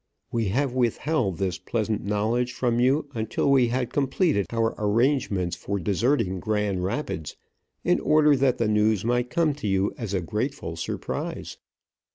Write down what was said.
We have withheld this pleasant knowledge from you until we had completed our arrangements for deserting Grand Rapids, in order that the news might come to you as a grateful surprise.